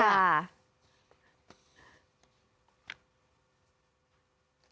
นะครับ